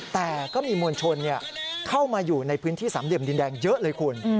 แต่ก็มีมวลชนเข้ามาอยู่ในพื้นที่สามเหลี่ยมดินแดงเยอะเลยคุณ